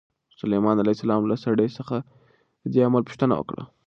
سلیمان علیه السلام له سړي څخه د دې عمل پوښتنه وکړه.